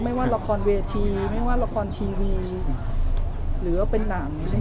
ไม่ว่าละครเวทีไม่ว่าละครทีวีหรือว่าเป็นหนัง